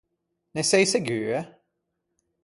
Ne sei segue?